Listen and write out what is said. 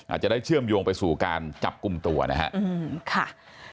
อาจจะได้เชื่อมโยงไปสู่การจับกลุ่มตัวนะครับ